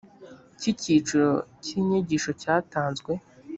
cyiciro cy inyigisho cyatanzwe